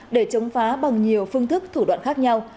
để chống phá bằng nhiều phương thức thủ đoạn khác nhau